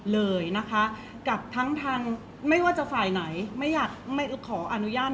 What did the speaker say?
เพราะว่าสิ่งเหล่านี้มันเป็นสิ่งที่ไม่มีพยาน